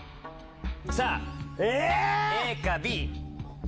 さぁＡかＢ！